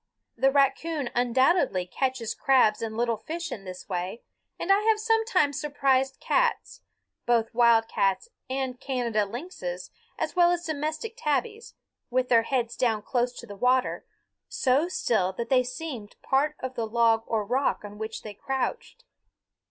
The raccoon undoubtedly catches crabs and little fish in this way; and I have sometimes surprised cats both wildcats and Canada lynxes, as well as domestic tabbies with their heads down close to the water, so still that they seemed part of the log or rock on which they crouched.